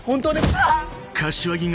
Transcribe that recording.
あっ！